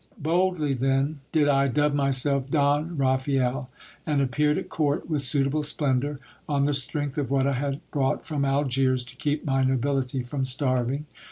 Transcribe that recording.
Boldly then did I dub myself Don Raphael ; and appeared at court with suitable splendour, on the strength of what I had brought from Algiers, to keep my nobility from starving.